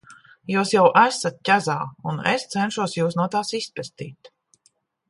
Jūs jau esat ķezā, un es cenšos Jūs no tās izpestīt.